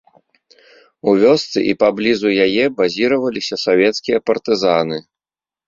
У вёсцы і паблізу яе базіраваліся савецкія партызаны.